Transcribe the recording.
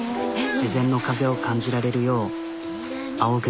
自然の風を感じられるようあおぐ。